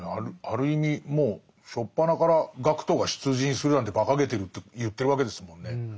ある意味もう初っぱなから学徒が出陣するなんてばかげてるって言ってるわけですもんね。